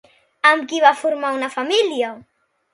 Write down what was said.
Amb qui va formar una família?